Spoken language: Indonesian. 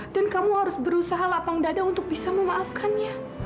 dan kamu harus berusaha lapang dada untuk bisa memaafkannya